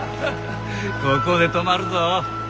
ここで泊まるぞ。